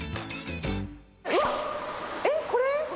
うわっ、えっ、これ？